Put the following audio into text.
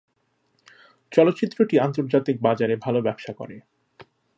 চলচ্চিত্রটি আন্তর্জাতিক বাজারে ভালো ব্যবসা করে।